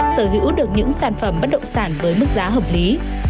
sở hữu được những sản phẩm bất động sản với mức giá hợp lý